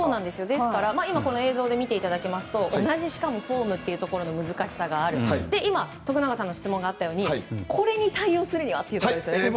ですから今この映像で見ていただきますと同じフォームという難しさがあって今、徳永さんから質問があったようにこれに対応するにはということですよね。